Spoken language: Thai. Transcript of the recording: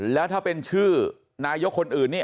แล้วถ้าเป็นชื่อนายกคนอื่นนี่